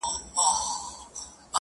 o د سړي په دې وینا قاضي حیران سو,